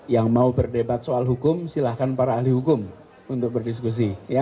yang mau berdebat soal hukum silahkan para ahli hukum untuk berdiskusi